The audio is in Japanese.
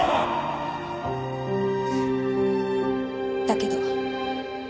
だけど。